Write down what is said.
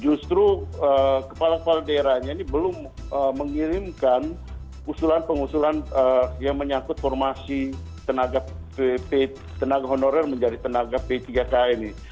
justru kepala kepala daerahnya ini belum mengirimkan usulan pengusulan yang menyangkut formasi tenaga honorer menjadi tenaga p tiga k ini